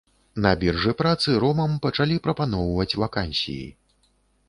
На біржы працы ромам пачалі прапаноўваць вакансіі.